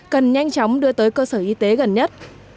cần nhanh chóng đưa tới cơ sở y tế gần nhất